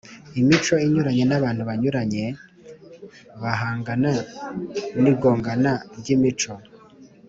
Imico inyuranye n abantu banyuranye bahangana n igongana ry imico